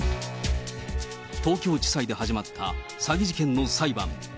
東京地裁で始まった詐欺事件の裁判。